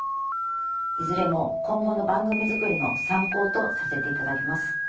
いずれも今後の番組作りの参考とさせていただきます。